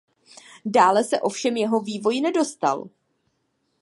Dále se ovšem jeho vývoj nedostal.